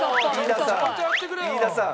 飯田さん！